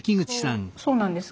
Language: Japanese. そうなんです。